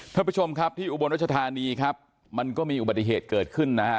ท่านผู้ชมครับที่อุบลรัชธานีครับมันก็มีอุบัติเหตุเกิดขึ้นนะฮะ